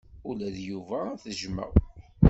Ula d Yuba ad t-jjmeɣ.